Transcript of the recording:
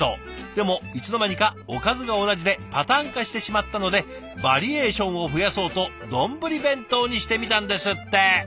でもいつの間にかおかずが同じでパターン化してしまったのでバリエーションを増やそうとどんぶり弁当にしてみたんですって！